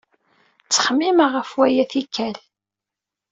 Ttxemmimeɣ ɣef waya tikkal